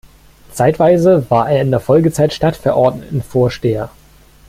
Zeitweise war er in der Folgezeit Stadtverordnetenvorsteher.